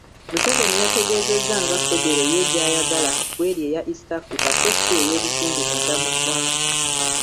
Museveni yategeezezza nga Federo ye gy'ayagala bw'eri eya East Africa so ssi ey’ebitundu munda mu ggwanga.